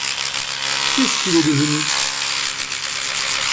Qu’est-ce qu’il est devenu ?